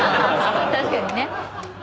確かにね。